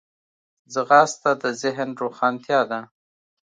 ځغاسته د ذهن روښانتیا ده